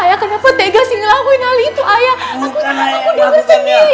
ayah kenapa tegas ngelakuin hal itu ayah aku jaga sendiri